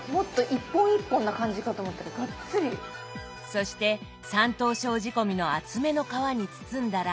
そして山東省仕込みの厚めの皮に包んだら。